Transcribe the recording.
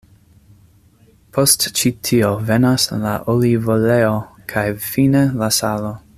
Post ĉi tio venas la olivoleo, kaj fine la salo.